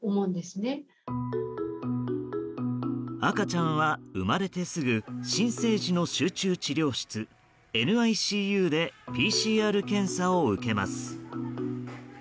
赤ちゃんは、生まれてすぐ新生児の集中治療室ＮＩＣＵでＰＣＲ検査を受けます。